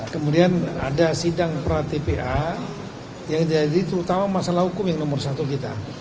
kemudian ada sidang pra tpa yang jadi terutama masalah hukum yang nomor satu kita